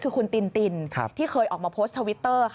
คือคุณตินตินที่เคยออกมาโพสต์ทวิตเตอร์